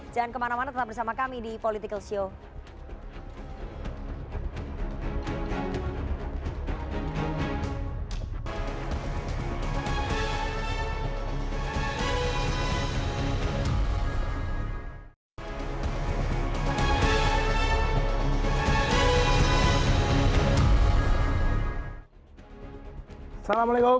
jangan kemana mana tetap bersama kami di politico show